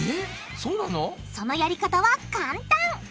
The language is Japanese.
そのやり方は簡単。